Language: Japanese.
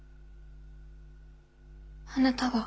あなたは。